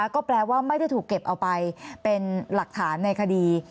ก็แปลว่าไม่ได้ถูกเก็บเอาไปเป็นหลักฐานในคดี